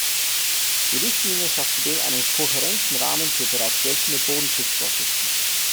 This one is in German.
Die Richtlinie schafft zudem einen kohärenten Rahmen für bereits geltende Bodenschutzvorschriften.